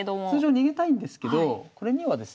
通常逃げたいんですけどはい。